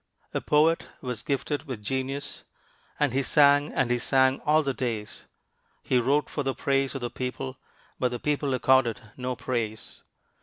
A poet was gifted with genius, And he sang, and he sang all the days. He wrote for the praise of the people, But the people accorded no praise.